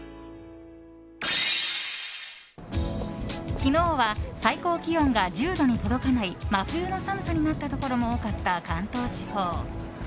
昨日は最高気温が１０度に届かない真冬の寒さになったところも多かった関東地方。